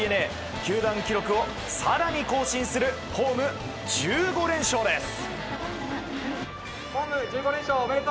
球団記録を更に更新するホーム１５連勝です！